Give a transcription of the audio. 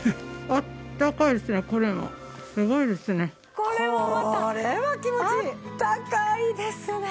あったかいですね！